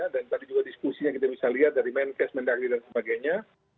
dan tadi juga diskusi yang kita bisa lihat dari menkes mendagri dan sebagainya